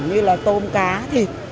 như là tôm cá thịt